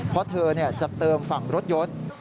เพราะเธอจะเติมฝั่งรถยนต์